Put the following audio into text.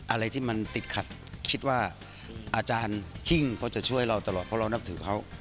อะไรที่มันติดขัดคิดว่าอาจารย์หิ้งเขาจะช่วยเราตลอดเพราะเรานับถือเขา